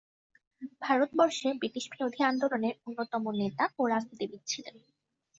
ভারতবর্ষে ব্রিটিশবিরোধী আন্দোলনের অন্যতম নেতা ও রাজনীতিবিদ ছিলেন।